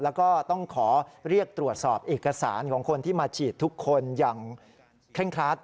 แล้วก็ต้องขอเรียกตรวจสอบเอกสารของคนที่มาฉีดทุกคนอย่างเคร่งครัด